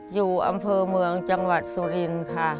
อยู่อำเภอเมืองจังหวัดสุรินทร์ค่ะ